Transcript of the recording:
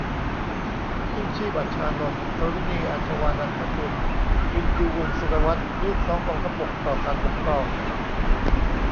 ยิ่งชีพ อัชฌานนท์ สฤณี อาชวานันทกุล วิญญู วงศ์สุรวัฒน์ ยื่นฟ้องกองทัพบกต่อศาลปกครอง